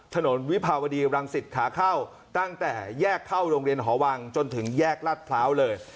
วิภาวดีรังสิตขาเข้าตั้งแต่แยกเข้าโรงเรียนหอวังจนถึงแยกลาดพร้าวเลย